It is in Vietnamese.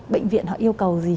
bệnh viện họ yêu cầu gì